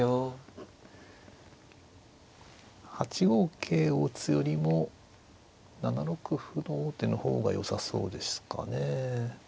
８五桂を打つよりも７六歩の王手の方がよさそうですかね。